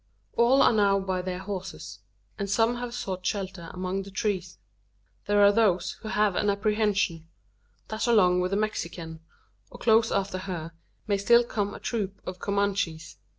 All are now by their horses; and some have sought shelter among the trees. There are those who have an apprehension: that along with the Mexican, or close after her, may still come a troop of Comanches.